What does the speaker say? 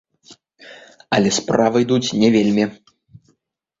Але справы ідуць не вельмі.